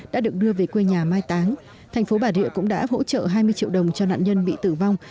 đã được đưa về quê nhà mai táng thành phố bà rịa cũng đã hỗ trợ hai mươi triệu đồng cho nạn nhân bị tử vong